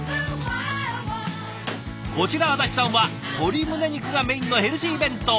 こちら安達さんは鶏胸肉がメインのヘルシー弁当。